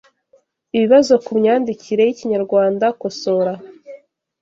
Ibibazo ku myandikire y’Ikinyarwanda Kosora